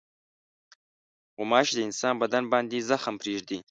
غوماشې د انسان بدن باندې زخم پرېږدي.